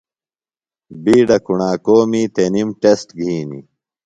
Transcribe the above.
بِیڈہ کوݨاکومی تںِم ٹسٹ گِھینیۡ۔